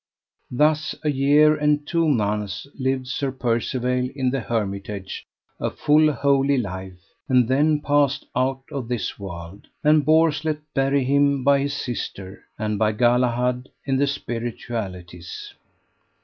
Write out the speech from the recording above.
Thus a year and two months lived Sir Percivale in the hermitage a full holy life, and then passed out of this world; and Bors let bury him by his sister and by Galahad in the spiritualities.